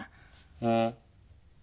うん？